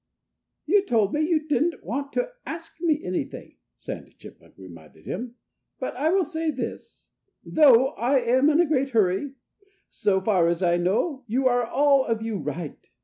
"You told me you didn't want to ask me anything," Sandy Chipmunk reminded him. "But I will say this though I am in a great hurry: So far as I know, you are all of you right.